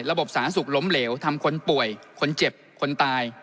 สาธารณสุขล้มเหลวทำคนป่วยคนเจ็บคนตาย